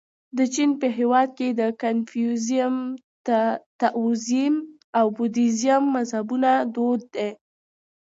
د چین په هېواد کې د کنفوسیزم، تائویزم او بودیزم مذهبونه دود دي.